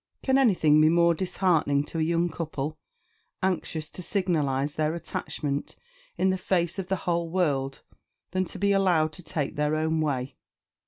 Can anything be more disheartening to a young couple, anxious to signalise their attachment in the face of the whole world, than to be allowed to take their own way?